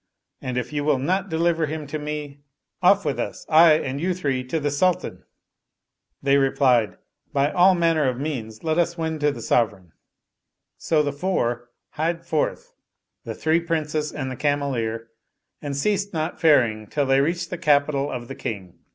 and if you will not deliver him to me, off with us, I and you three, to the Sultan." They replied, " By all manner of means ; let us wend to the sovereign." So the four hied forth, the three Princes and the Cameleer, and ceased not faring till they reached the capital of the King.